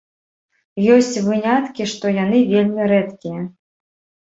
Ёсць выняткі, але яны вельмі рэдкія.